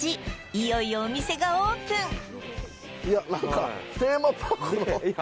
いよいよお店がオープン入園！